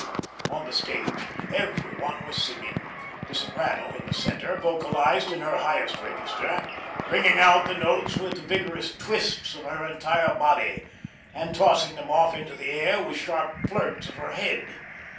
On the stage every one was singing. The soprano in the centre, vocalised in her highest register, bringing out the notes with vigorous twists of her entire body, and tossing them off into the air with sharp flirts of her head.